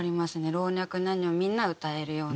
老若男女みんな歌えるような。